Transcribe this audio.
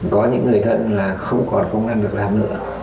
có những người thân là không còn công năng được làm nữa